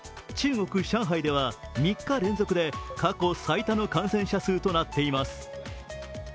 中国・上海では３日連続で過去最多の感染者数となっています。